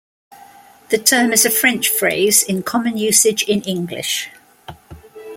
The term is a French phrase in common usage in English.